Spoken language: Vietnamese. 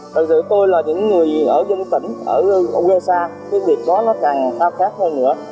thật sự tôi là những người ở dân tỉnh ở vùng quê xa cái việc đó nó càng khác hơn nữa